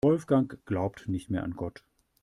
Wolfgang glaubt nicht mehr an Gott.